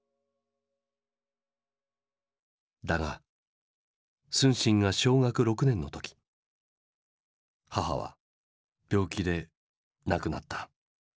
だが承信が小学６年の時母は病気で亡くなった。